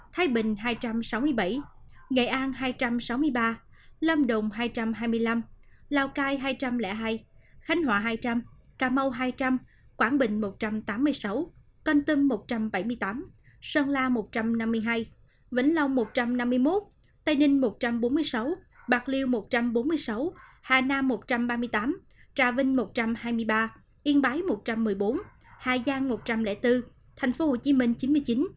thái bình hai trăm sáu mươi bảy nghệ an hai trăm sáu mươi ba lâm đồn hai trăm hai mươi năm lào cai hai trăm linh hai khánh hòa hai trăm linh cà mau hai trăm linh quảng bình một trăm tám mươi sáu canh tâm một trăm bảy mươi tám sơn la một trăm năm mươi hai vĩnh long một trăm năm mươi một tây ninh một trăm bốn mươi sáu bạc liêu một trăm bốn mươi sáu hà nam một trăm ba mươi tám trà vinh một trăm hai mươi ba yên bái một trăm một mươi bốn hải giang một trăm linh bốn thành phố hồ chí minh chín mươi chín điện tân một trăm linh bốn